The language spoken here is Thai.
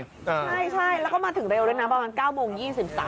ใช่แล้วก็มาถึงเร็วด้วยนะ